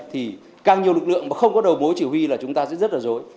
thì càng nhiều lực lượng mà không có đầu mối chỉ huy là chúng ta sẽ rất là dối